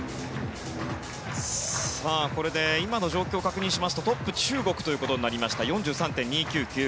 今の状況を確認しますとトップ中国ということになりました。４３．２９９。